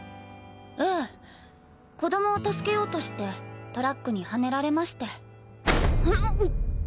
ええ子供を助けようとしてトラックにはねられまして。